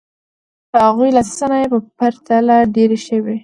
د هغوی لاسي صنایع په پرتله ډېرې ښې وې.